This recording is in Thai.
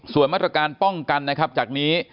ส่วนมาตรการป้องกันนะครับจากนี้